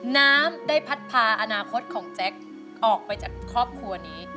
น้ำได้พัดพาอนาคตของแจ๊คออกไปจากครอบครัวนี้